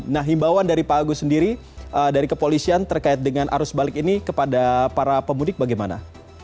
nah himbawan dari pak agus sendiri dari kepolisian terkait dengan arus balik ini kepada para pemudik bagaimana